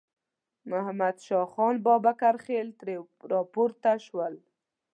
محمد شاه خان بابکرخېل ترې راپورته شول.